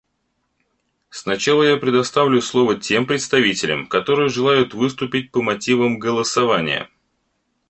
Сначала я предоставляю слово тем представителям, которые желают выступить по мотивам голосования.